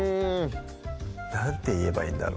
何て言えばいいんだろ